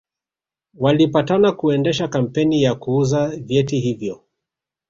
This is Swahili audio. Walipatana kuendesha kampeni ya kuuza vyeti hivyo